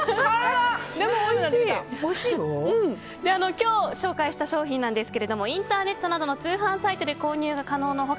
今日、紹介した商品なんですがインターネットなどの通販サイトで購入が可能な他